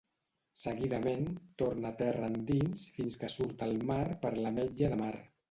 Seguidament, torna terra endins fins que surt al mar per l'Ametlla de Mar.